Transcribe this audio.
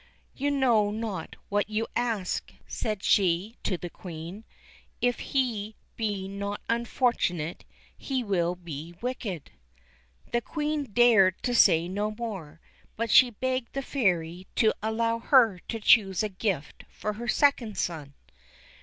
"You know not what you ask," said she to the Queen. "If he be not unfortunate, he will be wicked." The Queen dared say no more, but she begged the Fairy to allow her to choose a gift for her second son.